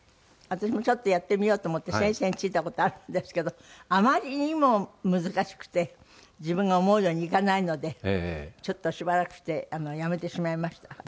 私もちょっとやってみようと思って先生についた事あるんですけどあまりにも難しくて自分が思うようにいかないのでちょっとしばらくしてやめてしまいました。